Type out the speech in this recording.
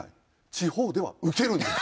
地方ではウケるんです。